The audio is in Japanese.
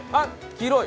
黄色い！